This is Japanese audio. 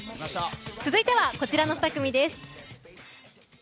続いては、こちらの２組です。